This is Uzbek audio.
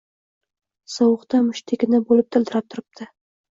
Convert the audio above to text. Sovuqda mushtdekkina bo‘lib dildirab turibdi.